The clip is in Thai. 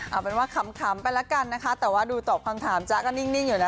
เอาเป็นว่าขำไปแล้วกันนะคะแต่ว่าดูตอบคำถามจ๊ะก็นิ่งอยู่นะ